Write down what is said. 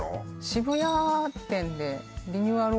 渋谷店でリニューアル